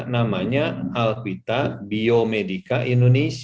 namanya alvita biomedica indonesia